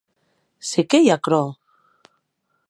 Se qué ei aquerò?